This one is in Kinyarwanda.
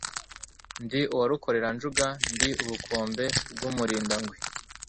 Ndi uwa Rukoreranjuga ndi ubukombe bw,umurindangwe